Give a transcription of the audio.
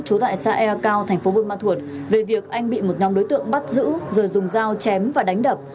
trú tại xã e cao tp bùi ma thuật về việc anh bị một nhóm đối tượng bắt giữ rồi dùng dao chém và đánh đập